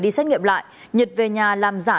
đi xét nghiệm lại nhật về nhà làm giả